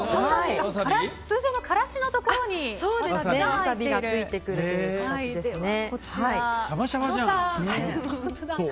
通常のからしのところにワサビがついてくるという形ですね。